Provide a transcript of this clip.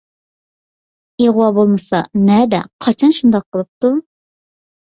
ئىغۋا بولمىسا، نەدە، قاچان شۇنداق قىلىپتۇ؟